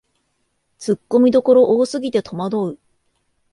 ツッコミどころ多すぎてとまどう